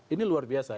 ini luar biasa